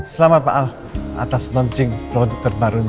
selamat pak al atas launching produk terbarunya